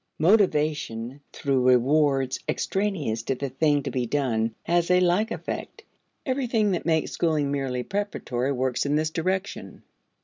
Motivation through rewards extraneous to the thing to be done has a like effect. Everything that makes schooling merely preparatory (See ante, p. 55) works in this direction.